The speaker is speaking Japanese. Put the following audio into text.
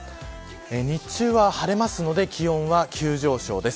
日中は晴れるので気温は急上昇です。